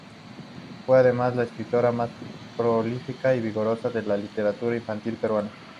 Fue además, la escritora más prolífica y vigorosa de la literatura infantil peruana.